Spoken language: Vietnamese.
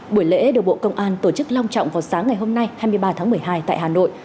buổi lễ được bộ công an tổ chức long trọng vào sáng ngày hôm nay hai mươi ba tháng một mươi hai tại hà nội